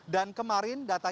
dan kemarin data